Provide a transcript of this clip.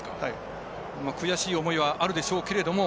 悔しい思いはあるでしょうけれども。